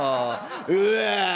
うわ。